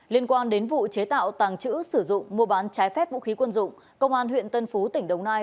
liên quan đến vụ chế tạo tàng trữ sử dụng mua bán trái phép vũ khí quân dụng công an huyện tân phú tỉnh đồng nai